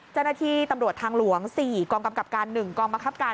เจ้าหน้าที่ตำรวจทางหลวง๔กองกำกับการ๑กองบังคับการ